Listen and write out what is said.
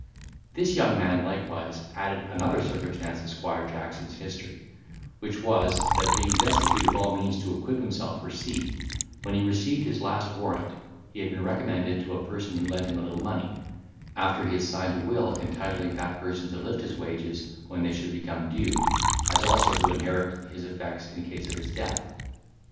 This young man likewise added another circumstance of Squire Jackson's history, which was, that being destitute of all means to equip himself for sea, when he received his last warrant, he had been recommended to a person who lent him a little money, after he had signed a will entitling that person to lift his wages when they should become due, as also to inherit his effects in case of his death.